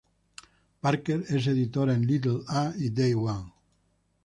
Parker es editora en Little A y Day One.